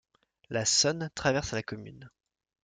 La Sonne traverse la commune.